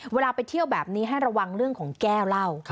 เวลาไปเที่ยวแบบนี้ให้ระวังเรื่องของแก้วเหล้า